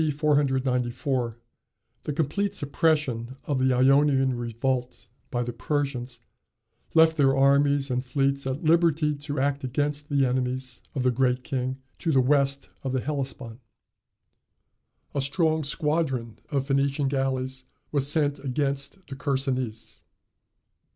494, the complete suppression of the Ionian revolt by the Persians left their armies and fleets at liberty to act against the enemies of the Great King to the west of the Hellespont. A strong squadron of Phoenician galleys was sent against the Chersonese.